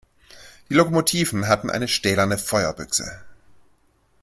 Die Lokomotiven hatten eine stählerne Feuerbüchse.